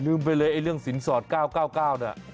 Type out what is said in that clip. ไปเลยไอ้เรื่องสินสอด๙๙๙๙เนี่ย